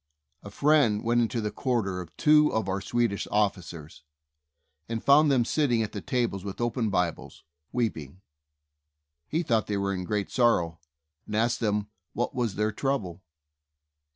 A friend went into the quarters of two of our Swedish officers, and found them sitting at the tables with open Bibles, weeping. He thought they were in great sorrow, and asked them what was their trouble.